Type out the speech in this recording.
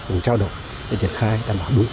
cũng trao động để triển khai đảm bảo mối quy chế